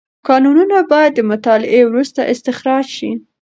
کانونه باید د مطالعې وروسته استخراج شي.